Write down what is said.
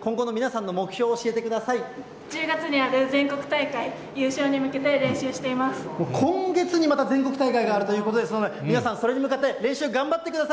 今後の皆さんの目標を教えてくだ１０月にある全国大会優勝に今月にまた全国大会があるということですので、皆さん、それに向かって練習頑張ってください。